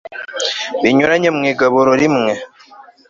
binyuranye mu igaburo rimwe